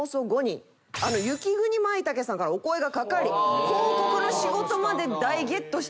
雪国まいたけさんからお声が掛かり広告の仕事まで大ゲットしたんですよ。